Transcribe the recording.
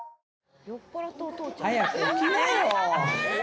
早く起きなよ。